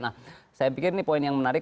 nah saya pikir ini poin yang menarik